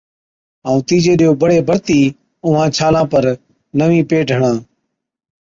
ائُون تِيجي ڏِيئو بڙي بڙتِي اُونهانچ ڇالان پر نوِين پيڊ هڻا۔